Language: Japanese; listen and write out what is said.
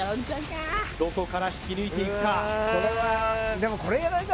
どこから引き抜いていくか？